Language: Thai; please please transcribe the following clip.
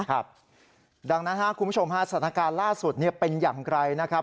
ดังนั้นคุณผู้ชมสถานการณ์ล่าสุดเป็นอย่างไรนะครับ